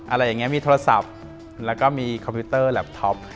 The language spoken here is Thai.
อะไรอย่างนี้มีโทรศัพท์แล้วก็มีคอมพิวเตอร์แล็บทท็อป